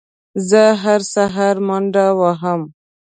زه هره سهار منډه وهم